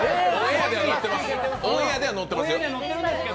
オンエアでは乗ってますよ。